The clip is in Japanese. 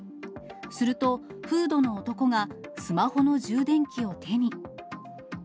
すると、フードの男がスマホの充電器を手に。